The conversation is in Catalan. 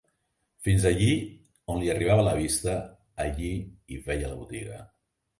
Fins allí on li arribava la vista allí hi veia la botiga